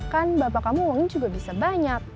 kan bapak kamu uangnya juga bisa banyak